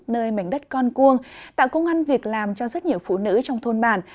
nơi mảnh đất con cuông tạo công an việc làm cho rất nhiều phụ nữ trong thôn bản